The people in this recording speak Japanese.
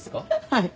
はい。